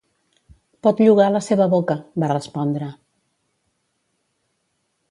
"Pot llogar la seva boca", va respondre.